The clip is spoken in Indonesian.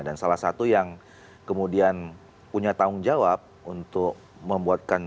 dan salah satu yang kemudian punya tanggung jawab untuk membuat kondisi